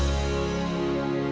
aku ingin bersamamu malam ini